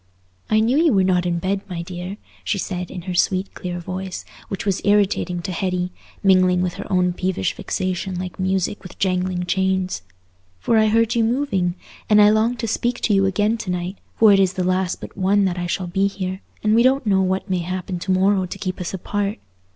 "I knew you were not in bed, my dear," she said, in her sweet clear voice, which was irritating to Hetty, mingling with her own peevish vexation like music with jangling chains, "for I heard you moving; and I longed to speak to you again to night, for it is the last but one that I shall be here, and we don't know what may happen to morrow to keep us apart.